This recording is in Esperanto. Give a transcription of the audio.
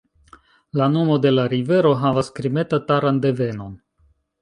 La nomo de la rivero havas krime-tataran devenon.